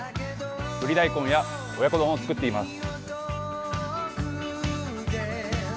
ぶり大根や親子丼を作っています。